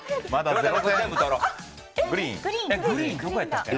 グリーンどこやったっけな。